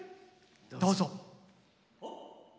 どうぞ。